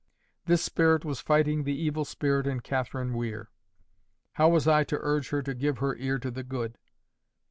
This spirit was fighting the evil spirit in Catherine Weir: how was I to urge her to give ear to the good?